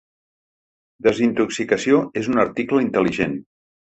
Desintoxicació és un article intel·ligent.